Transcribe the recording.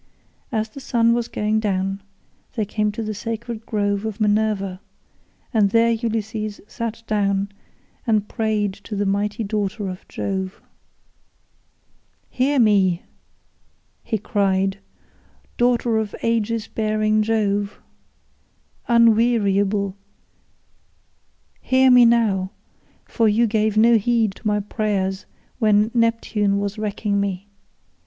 As the sun was going down they came to the sacred grove of Minerva, and there Ulysses sat down and prayed to the mighty daughter of Jove. "Hear me," he cried, "daughter of Aegis bearing Jove, unweariable, hear me now, for you gave no heed to my prayers when Neptune was wrecking me.